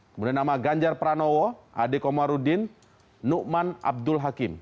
kemudian nama ganjar pranowo adekomarudin nu'man abdul hakim